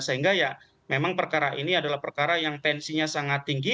sehingga ya memang perkara ini adalah perkara yang tensinya sangat tinggi